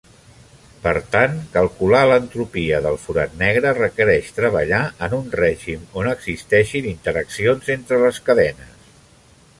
Per tant, calcular l'entropia del forat negre requereix treballar en un règim on existeixin interaccions entre les cadenes.